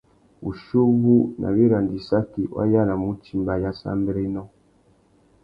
Wuchiuwú, nà wiranda-issaki, wa yānamú utimba ayássámbérénô.